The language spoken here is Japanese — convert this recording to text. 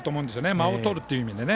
間をとるという意味で。